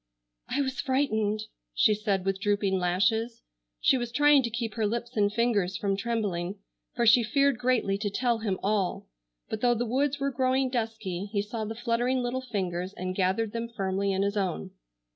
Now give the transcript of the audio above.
"I was frightened," she said, with drooping lashes. She was trying to keep her lips and fingers from trembling, for she feared greatly to tell him all. But though the woods were growing dusky he saw the fluttering little fingers and gathered them firmly in his own.